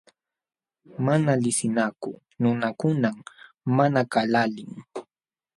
Mana liqsinakuq nunakunam maqanakaqlaalin.